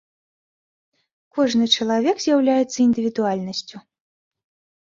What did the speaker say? Кожны чалавек з'яўляецца індывідуальнасцю.